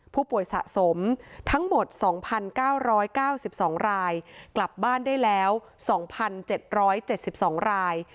ผู้ป่วยสะสมทั้งหมด๒๙๙๒รายกลับบ้านได้แล้ว๒๗๗๒ราย